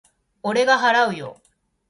俺が払うよ。